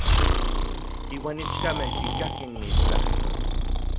Iuan ichkamej kikakij n itlajtol.